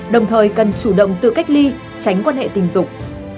đồng thời cần chủ động tự cách ly tránh quan hệ tình dục